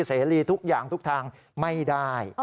เสรีทุกอย่างทุกทางไม่ได้